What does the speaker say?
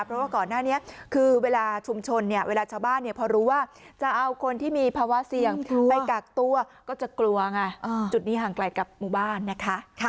เพราะว่าก่อนหน้านี้คือเวลาชุมชนเนี่ยเวลาชาวบ้านพอรู้ว่าจะเอาคนที่มีภาวะเสี่ยงไปกักตัวก็จะกลัวไงจุดนี้ห่างไกลกับหมู่บ้านนะคะ